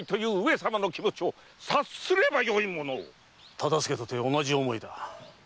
忠相とて同じ思いだ。